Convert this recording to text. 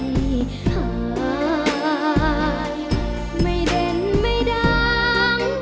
ไม่หายไม่เด่นไม่ดัง